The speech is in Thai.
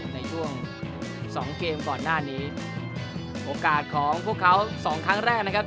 ในช่วงสองเกมก่อนหน้านี้โอกาสของพวกเขาสองครั้งแรกนะครับ